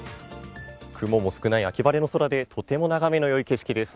雲も少ない秋晴れの空で、とても眺めの良い景色です。